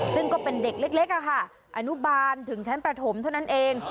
ซึ่งก็เป็นเด็กเล็กค่ะอนุบาลถึงชั้นประถมเท่านั้นเอง